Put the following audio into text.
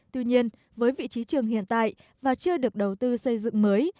tuy nhiên với vị trí trường hiện tại và chưa được đầu tư xây dựng mới